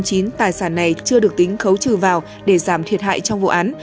nhưng sáu trăm bốn mươi chín tài sản này chưa được tính khấu trừ vào để giảm thiệt hại trong vụ án